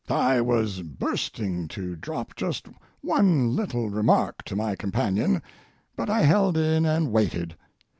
I was bursting to drop just one little remark to my companion, but I held in and waited.